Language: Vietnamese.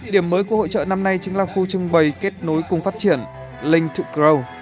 điểm mới của hội trợ năm nay chính là khu trưng bày kết nối cùng phát triển link to grow